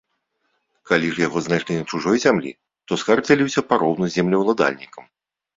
Калі ж яго знайшлі на чужой зямлі, то скарб дзяліўся пароўну з землеўладальнікам.